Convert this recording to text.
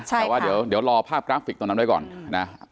แต่ว่าเดี๋ยวรอภาพกราฟิกตรงนั้นไว้ก่อนนะ